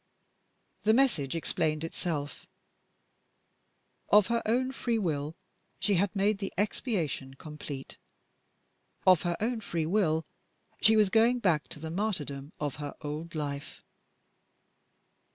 The message explained itself. Of her own free will she had made the expiation complete! Of her own free will she was going back to the martyrdom of her old life!